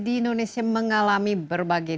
di indonesia mengalami berbagai